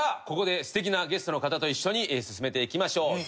ここで素敵なゲストの方と一緒に進めていきましょう。